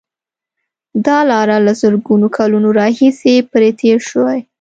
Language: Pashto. دا لاره له زرګونو کلونو راهیسې پرې تېر شوي.